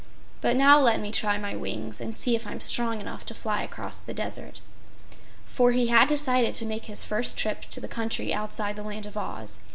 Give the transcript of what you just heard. But now let me try my wings and see if I'm strong enough to fly across the desert." For he had decided to make his first trip to the country outside the Land of Oz.